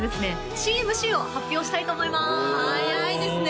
新ＭＣを発表したいと思います早いですね